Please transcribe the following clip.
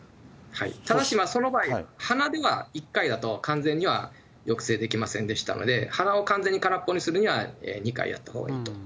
ただし、その場合は、鼻では１回だと完全には抑制できませんでしたので、鼻を完全に空っぽにするには、２回やったほうがいいと。